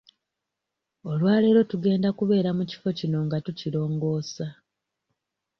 Olwaleero tugenda kubeera mu kifo kino nga tukirongoosa.